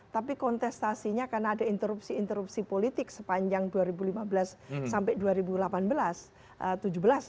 tapi kontestasinya karena ada interupsi interupsi politik sepanjang dua ribu lima belas sampai dua ribu delapan belas